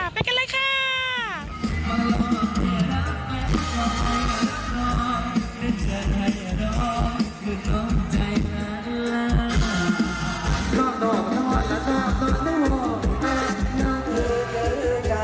ทีมงานค่ะไปกันเลยค่ะ